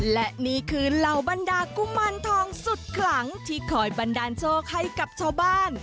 และนี่คือเหล่าบรรดากุมารทองสุดขลังที่คอยบันดาลโชคให้กับชาวบ้าน